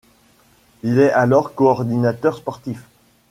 Il est alors coordinateur sportif.